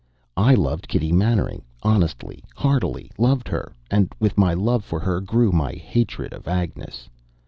I loved Kitty Mannering; honestly, heartily loved her, and with my love for her grew my hatred for Agnes.